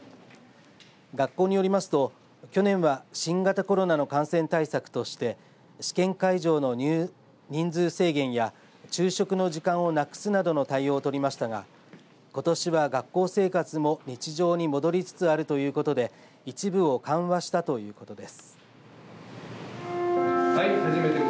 学校によりますと去年は新型コロナの感染対策として試験会場の人数制限や昼食の時間をなくすなどの対応を取りましたがことしは学校生活も日常に戻りつつあるということで一部を緩和したということです。